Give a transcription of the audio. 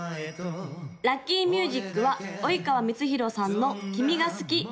・ラッキーミュージックは及川光博さんの「君が好き。」